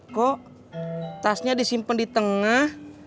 kok tasnya disimpan di tengah